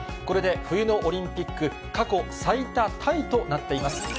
これで冬のオリンピック過去最多タイとなっています。